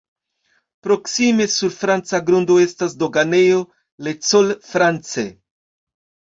Proksime sur franca grundo estas doganejo "Le Col France".